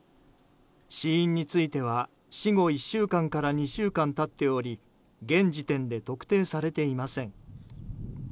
死因については死後１週間から２週間経っており現時点で特定されていません。